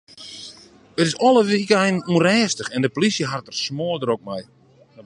It is alle wykeinen ûnrêstich en de polysje hat it der smoardrok mei.